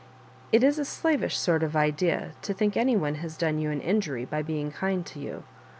" It is a slavish sort of idea to think any one has done you an injury by be ing kind to you.